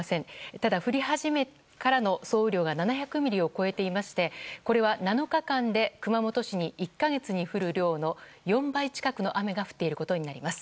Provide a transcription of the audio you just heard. ただ、降り始めからの総雨量が７００ミリを超えていましてこれは７日間で熊本市に１か月に降る量の４倍近くの雨が降っていることになります。